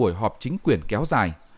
không ít nơi cuộc họp chính quyền kéo dài